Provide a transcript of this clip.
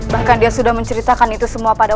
bahkan dia sudah menceritakan itu semua pada